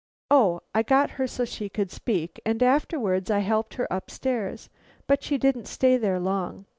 Oh, I got her so she could speak, and afterwards I helped her up stairs; but she didn't stay there long.